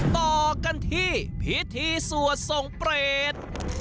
ต่อกันที่พิธีสวดส่งเปรต